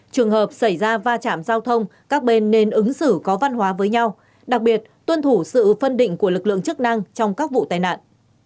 trường hợp xảy ra va chạm giao thông các bên nên ứng xử có văn hóa với nhau đặc biệt tuân thủ sự phân định của lực lượng chức năng trong các vụ tai nạn